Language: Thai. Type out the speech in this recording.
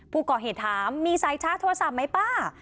ผู้ก่อเหตุถามมีสายชาร์จโทรศัพท์ไหมป้า